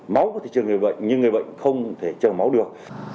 máu có thể trở người bệnh nhưng người bệnh không thể trở máu được